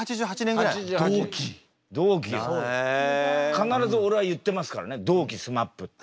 必ず俺は言ってますからね「同期ＳＭＡＰ」って。